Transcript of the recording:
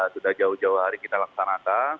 sudah jauh jauh hari kita laksanakan